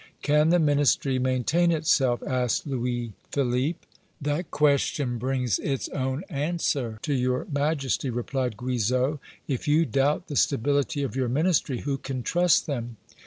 "Can the Ministry maintain itself?" asked Louis Philippe. "That question brings its own answer to your Majesty," replied Guizot. "If you doubt the stability of your Ministry, who can trust them?"